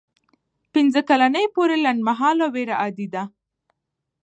پنځه کلنۍ پورې لنډمهاله ویره عادي ده.